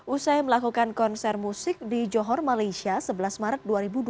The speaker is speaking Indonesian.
usai melakukan konser musik di johor malaysia sebelas maret dua ribu dua puluh